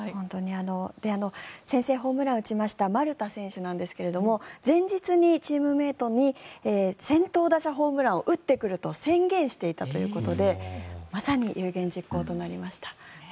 先制ホームランを打ちました丸田選手ですが前日にチームメートに先頭打者ホームランを打ってくると宣言していたということでまさに有言実行となりました。